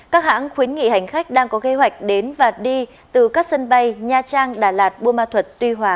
các hãng khuyến nghị hành khách đang có kế hoạch đến và đi từ các sân bay nha trang đà lạt buôn ma thuật tuy hòa